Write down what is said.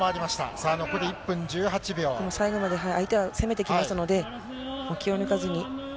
さあ、でも最後まで相手は攻めてきますので、気を抜かずに。